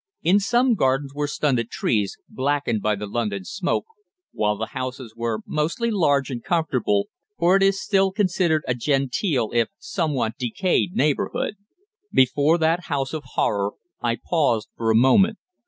In some gardens were stunted trees, blackened by the London smoke, while the houses were mostly large and comfortable, for it is still considered a "genteel," if somewhat decayed neighbourhood. Before that house of horror I paused for a moment.